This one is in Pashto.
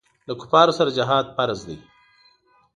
له کفارو سره جهاد فرض دی.